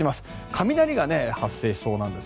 雷が発生しそうなんです。